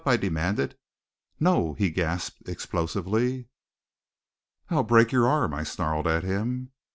I demanded. "No!" he gasped explosively. "I'll break your arm!" I snarled at him.